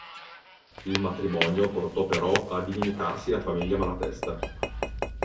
Il matrimonio portò però ad inimicarsi la famiglia Malatesta.